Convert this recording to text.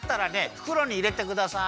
ふくろにいれてください。